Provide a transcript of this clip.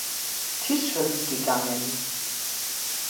Tischri gegangen.